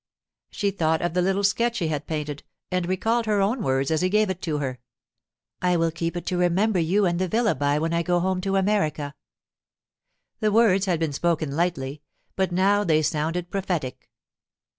She thought of the little sketch he had painted, and recalled her own words as he gave it to her: 'I will keep it to remember you and the villa by when I go home to America.' The words had been spoken lightly, but now they sounded prophetic.